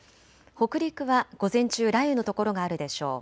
北陸は午前中、雷雨の所があるでしょう。